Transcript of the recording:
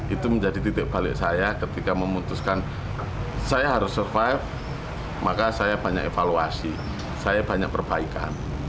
itu menjadi titik balik saya ketika memutuskan saya harus survive maka saya banyak evaluasi saya banyak perbaikan